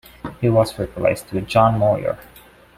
He was replaced with John Moyer.